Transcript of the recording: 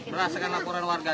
berasakan laporan warga